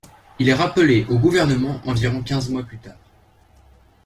Il est rappelé au gouvernement environ quinze mois plus tard.